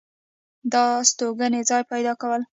دا ستوګنې ځاے پېدا كول